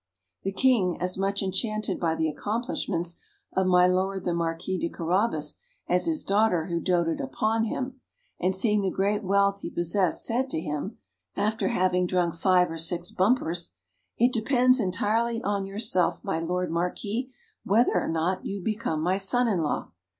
The King, as much enchanted by the accomplishments of my Lord the Marquis de Carabas as his daughter, who doted upon him, and seeing the great wealth he possessed, said to him, after having drunk five or six bumpers, "It depends entirely on yourself, my Lord Marquis, whether or not you become my son in law."